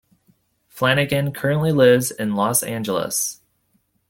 Flanagan currently lives in Los Angeles.